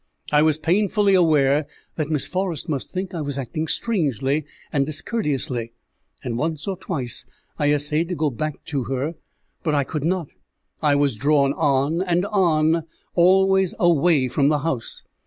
I was painfully aware that Miss Forrest must think I was acting strangely and discourteously, and once or twice I essayed to go back to her, but I could not I was drawn on and on, always away from the house.